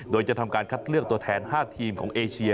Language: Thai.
โดยจะทำการคัดเลือกตัวแทน๕ทีมของเอเชีย